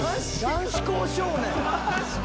「男子校少年」。